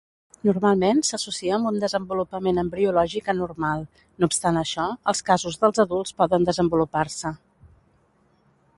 Normalment s'associa amb un desenvolupament embriològic anormal. No obstant això, els casos dels adults poden desenvolupar-se.